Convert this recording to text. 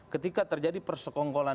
ketika terjadi persekongkolan